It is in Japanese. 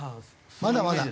まだまだ。